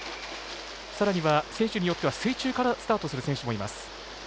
さらには選手によっては水中からスタートする選手もいます。